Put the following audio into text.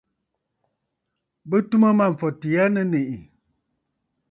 Bɨ tum Mâmfɔtì aa nɨ̀ nèʼè.